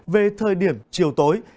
về thời điểm chiều tối